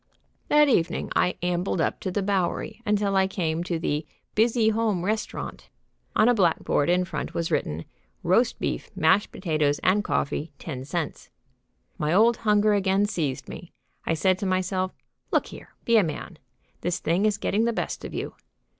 That evening I ambled up the Bowery until I came to the Busy Home Restaurant. On a black board in front was written, "Roast Beef, Mashed Potatoes and Coffee, 10 Cents." My old hunger again seized me. I said to myself: "Look here! Be a man! This thing is getting the best of you."